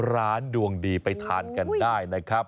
ดวงดีไปทานกันได้นะครับ